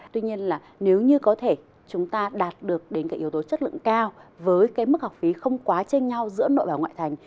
tuy nhiên là nếu như có thể chúng ta đạt được đến cái yếu tố chất lượng cao với cái mức học phí không quá chênh nhau giữa nội và ngoại thành